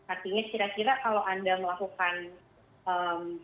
artinya kira kira kalau anda melakukan tingkah laku x